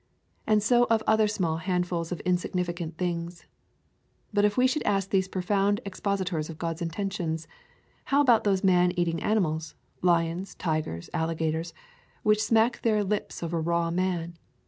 And so of other small hand fuls of insignificant things. But if we should ask these profound ex positors of God's intentions, How about those man eating animals — lions, tigers, alligators —which smack their lips over raw man?